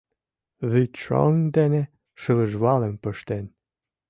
Вӱдшоҥ дене шылыжвалым пыштен